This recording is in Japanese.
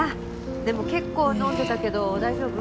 でも結構飲んでたけど大丈夫？